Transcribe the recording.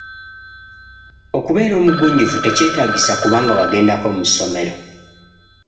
Okubeera omugunjufu tekyetaagisa kuba nga wagendako mu ssomero.